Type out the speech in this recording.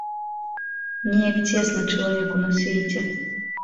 Неяк цесна чалавеку на свеце.